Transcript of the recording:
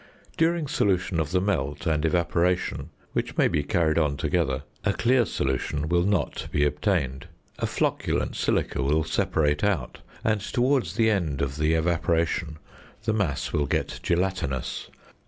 During solution of the "melt" and evaporation (which may be carried on together), a clear solution will not be obtained, a flocculent silica will separate out, and towards the end of the evaporation the mass will get gelatinous.